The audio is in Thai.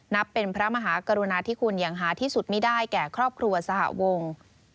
นับเป็นพระมหากรุณาธิคุณอย่างหาที่สุดไม่ได้แก่ครอบครัวสหวง